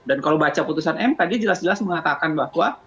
dan kalau baca putusan mk dia jelas jelas mengatakan bahwa